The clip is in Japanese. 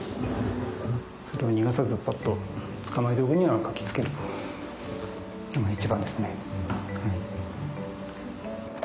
それを逃がさずぱっと捕まえておくには書きつけるのが一番ですね。